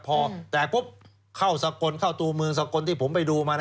พอแตกปุ๊บเข้าสกลเข้าตัวเมืองสกลที่ผมไปดูมานะ